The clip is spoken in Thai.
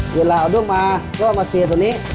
เวลาเอาได้มาก็มาสี่ยังตรงนี้